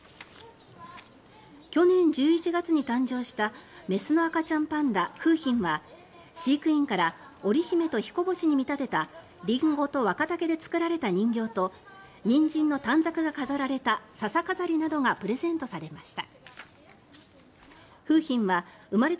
去年１１月に誕生した雌の赤ちゃんパンダ、楓浜は飼育員から織姫と彦星に見立てたリンゴと若竹で作られた人形とニンジンの短冊が飾られたササ飾りなどがプレゼントされました。